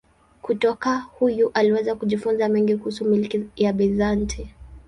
Kutoka huyu aliweza kujifunza mengi kuhusu milki ya Bizanti.